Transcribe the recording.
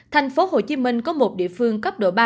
tp hcm có một địa phương cấp độ ba